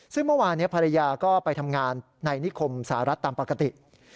ซึ่งเมื่อวานภรรยาก็ไปทำงานในนิคมสหรัฐตามปกติ